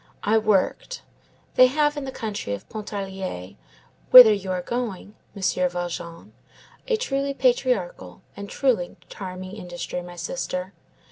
I worked. They have, in the country of Pontarlier, whither you are going, Monsieur Valjean, a truly patriarchal and truly charming industry, my sister.